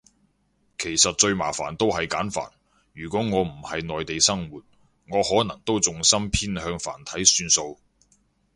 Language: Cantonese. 其實最麻煩都係簡繁，如果我唔係内地生活，我可能都重心偏向繁體算數